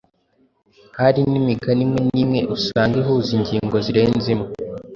Hari n’imigani imwe n’imwe usanga ihuza ingingo zirenze imwe.